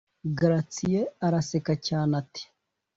gratien araseka cyane ati